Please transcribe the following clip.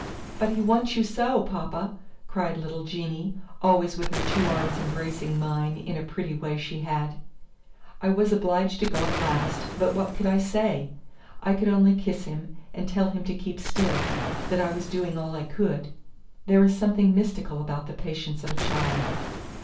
"But he wants you so, papa!" cried little Jeanie, always with her two arms embracing mine in a pretty way she had. I was obliged to go at last, but what could I say? I could only kiss him, and tell him to keep still, that I was doing all I could. There is something mystical about the patience of a child.